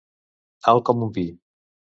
Alt com un pi.